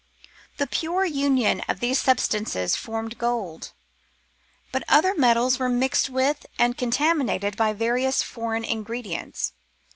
The pure union of these substances formed gold ; but other metals were mixed with and contaminated by various foreign ingredients.